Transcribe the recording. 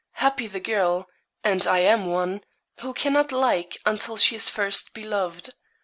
Happy the girl and I am one who cannot like until she is first beloved.